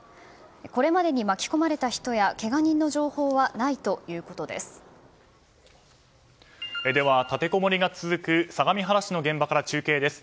これまでに巻き込まれた人やけが人の情報はでは、立てこもりが続く相模原市の現場から中継です。